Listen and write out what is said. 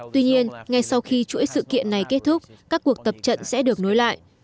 tuy nhiên ngay sau khi chuỗi sự kiện này kết thúc các cuộc tập trận sẽ được nối lại